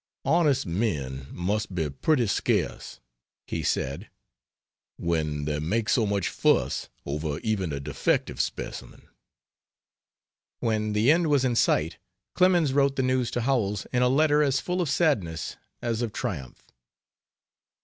"Honest men must be pretty scarce," he said, "when they make so much fuss over even a defective specimen." When the end was in sight Clemens wrote the news to Howells in a letter as full of sadness as of triumph.